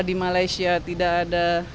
di malaysia tidak ada